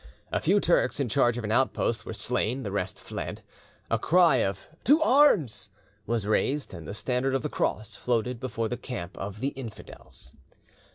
A few Turks in charge of an outpost were slain, the rest fled. A cry of "To arms" was raised, and the standard of the Cross floated before the camp of the infidels.